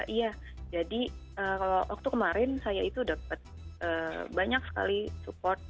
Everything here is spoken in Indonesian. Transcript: iya jadi kalau waktu kemarin saya itu dapat banyak sekali support